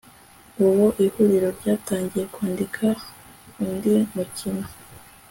ubu i huriro ryatangiye kwandika undi mukino